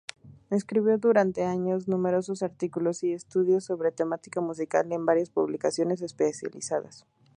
Escribió durante años numerosos artículos y estudios sobre temática musical en varias publicaciones especializadas.